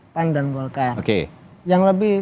pan dan golkar yang lebih